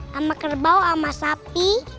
sama kerbau sama sapi